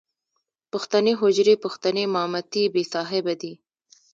پښتنې حجرې، پښتنې مامتې بې صاحبه دي.